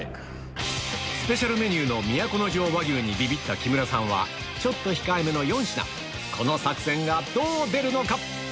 スペシャルメニューの都城和牛にビビった木村さんはちょっと控えめの４品この作戦がどう出るのか？